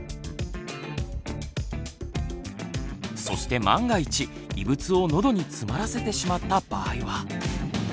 そして万が一異物をのどに詰まらせてしまった場合は。